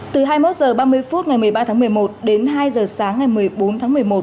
từ hai mươi một h ba mươi phút ngày một mươi ba tháng một mươi một đến hai h sáng ngày một mươi bốn tháng một mươi một